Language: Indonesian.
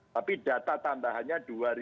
tapi data tambahannya dua tiga ratus empat puluh satu